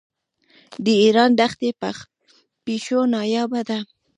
د ایران دښتي پیشو نایابه ده.